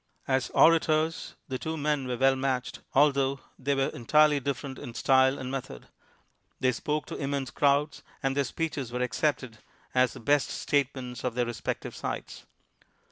As orators the two men were well matched, altho they were entirely different in style and method ; they spoke to immense crowds, and INTRODUCTION their speeches were accepted as the best state ments of their respective sides.